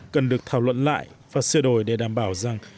cần được thảo luận lại và sửa đổi để đảm bảo rằng